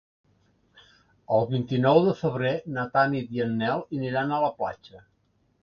El vint-i-nou de febrer na Tanit i en Nel iran a la platja.